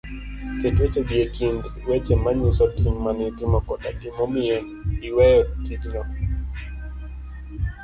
ket wechegi e kind weche manyiso tich manitimo koda gimomiyo iweyo tijno.